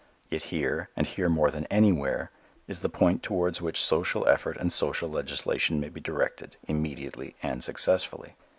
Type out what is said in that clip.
Yet here and here more than anywhere is the point towards which social effort and social legislation may be directed immediately and successfully.